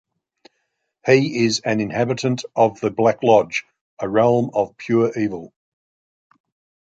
He is an inhabitant of the Black Lodge, a realm of pure evil.